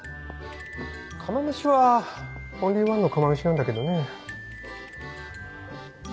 釜飯はオンリーワンの釜飯なんだけどね。